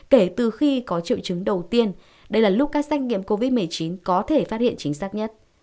kể từ khi có triệu chứng đầu tiên đây là lúc các xét nghiệm covid một mươi chín có thể phát hiện chính xác nhất